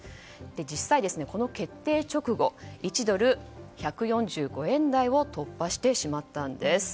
実際、この決定直後１ドル＝１４５円台を突破してしまったんです。